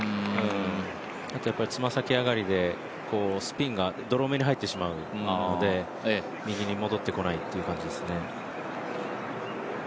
あと爪先上がりでスピンがドロー目に入ってしまうので、右に戻ってこないという感じですね。